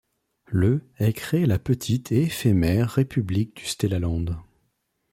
Le est créée la petite et éphémère république du Stellaland.